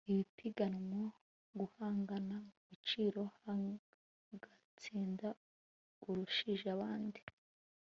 ipiganwa guhangana mu biciro hagatsinda urushije abandi